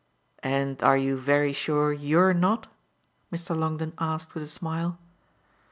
"And are you very sure you're not?" Mr. Longdon asked with a smile.